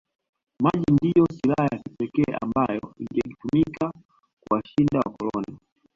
Maji ndiyo silaha ya kipekee ambayo ingetumika kuwashinda wakoloni